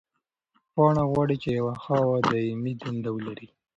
پاڼه غواړي چې یوه ښه او دایمي دنده ولري.